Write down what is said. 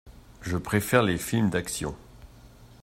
Je préfère les films d'action.